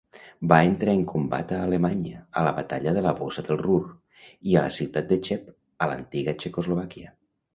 Va entrar en combat a Alemanya, a la batalla de la "Bossa del Ruhr", i a la ciutat de Cheb de l'antiga Txecoslovàquia.